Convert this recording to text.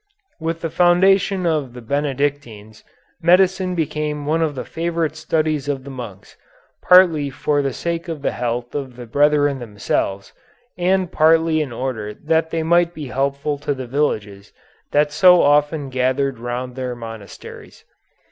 With the foundation of the Benedictines, medicine became one of the favorite studies of the monks, partly for the sake of the health of the brethren themselves, and partly in order that they might be helpful to the villages that so often gathered round their monasteries.